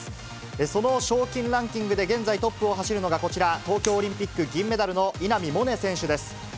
その賞金ランキングで現在トップを走るのがこちら、東京オリンピック銀メダルの稲見萌寧選手です。